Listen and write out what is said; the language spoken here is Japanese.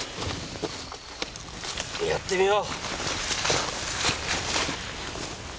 やってみよう。